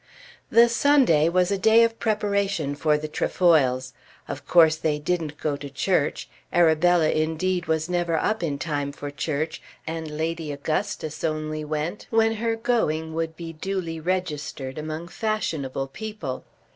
The Sunday was a day of preparation for the Trefoils. Of course they didn't go to church. Arabella indeed was never up in time for church and Lady Augustus only went when her going would be duly registered among fashionable people.